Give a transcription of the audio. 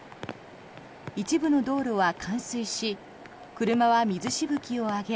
一部の道路は冠水し車は水しぶきを上げ